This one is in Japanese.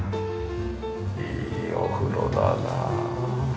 いいお風呂だな。